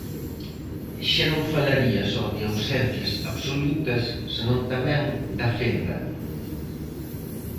Xa non falaría só de ausencias absolutas, senón tamén da fenda.